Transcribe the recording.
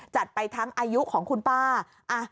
จัดไปทั้งอายุของคุณป้า